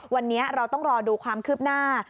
วันนี้เราต้องรอดูความคืบหน้า